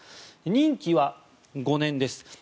任期は５年です。